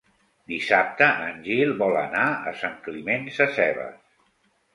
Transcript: Dissabte en Gil vol anar a Sant Climent Sescebes.